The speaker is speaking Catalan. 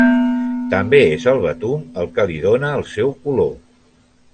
També és el betum el que li dóna el seu color.